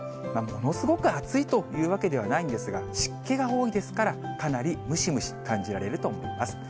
ものすごく暑いというわけではないんですが、湿気が多いですから、かなりムシムシ感じられると思います。